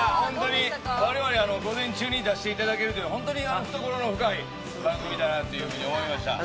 我々を午前中に出していただけるというのは、本当に懐に深い番組だなと思いました。